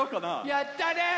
やったね！